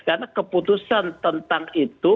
karena keputusan tentang itu